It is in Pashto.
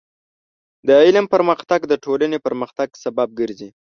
د علم پرمختګ د ټولنې پرمختګ سبب ګرځي.